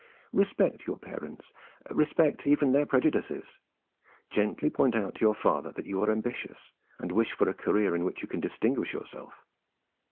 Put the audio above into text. Respect your parents, respect even their prejudices; gently point out to your father that you are ambitious and wish for a career in which you can distinguish yourself.